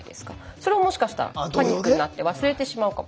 それをもしかしたらパニックになって忘れてしまうかも。